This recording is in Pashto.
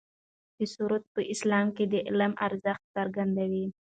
دا سورت په اسلام کې د علم ارزښت څرګندوي.